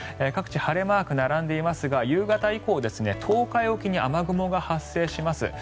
各地、晴れマークが並んでいますが夕方以降東海沖に雨雲が発生します。